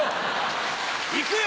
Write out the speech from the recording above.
行くよ！